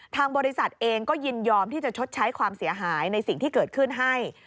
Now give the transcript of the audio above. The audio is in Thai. ทางบริษัทเองก็ยินยอมที่จะชดใช้ความเสียหายในสิ่งที่เกิดขึ้นให้